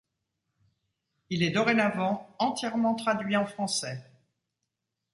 Il est dorénavant entièrement traduit en français.